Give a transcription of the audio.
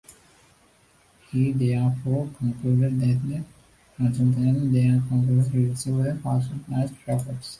He therefore concluded that tyrannosaurids and their close relatives were the fastest large theropods.